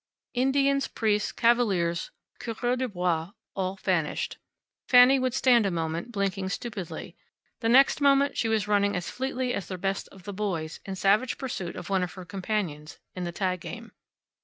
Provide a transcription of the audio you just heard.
Indians, priests, cavaliers, coureurs de bois, all vanished. Fanny would stand a moment, blinking stupidly. The next moment she was running as fleetly as the best of the boys in savage pursuit of one of her companions in the tag game.